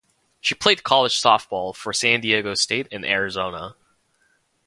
She played college softball for San Diego State and Arizona.